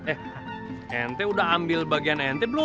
eh ente udah ambil bagian ente belum